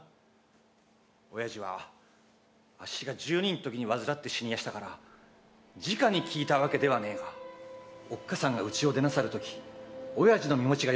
親父はあっしが１２の時に患って死にやしたから直に聞いたわけではねぇがおっかさんが家を出なさる時親父の身持ちがよくなかった。